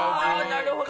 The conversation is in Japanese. なるほど。